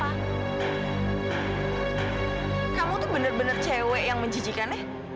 kamu tuh bener bener cewek yang menjijikannya